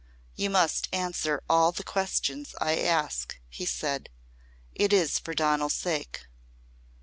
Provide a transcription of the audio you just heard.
"You must answer all the questions I ask," he said. "It is for Donal's sake."